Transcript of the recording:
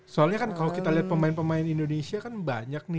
soalnya kan kalau kita lihat pemain pemain indonesia kan banyak nih